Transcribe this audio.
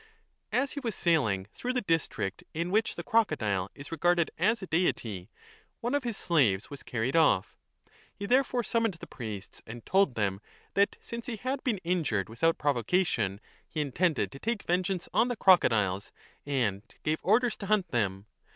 As he was sailing through the district in which the crocodile is regarded as a deity, one of his slaves was carried off. He therefore summoned the priests and told 25 them that since he had been injured without provocation he intended to take vengeance 2 on the crocodiles, and gave orders to hunt them.